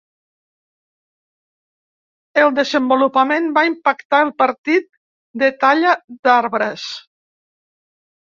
El desenvolupament va impactar el partit de talla d'arbres.